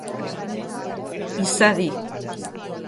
Izadi eta biok ere hurbildu egin ginen.